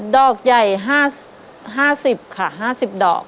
ดอกใหญ่ห้าสิบค่ะห้าสิบดอก